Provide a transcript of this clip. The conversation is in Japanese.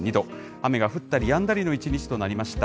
雨が降ったりやんだりの一日となりました。